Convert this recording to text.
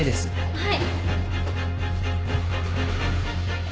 はい。